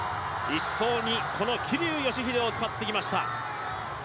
１走にこの桐生祥秀を使ってきました。